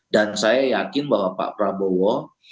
dan saya yakin bahwa pak prabowo